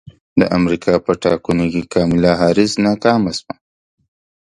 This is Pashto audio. د امریکا په ټاکنو کې کاملا حارس ناکامه شوه